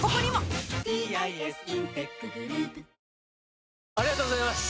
「氷結」ありがとうございます！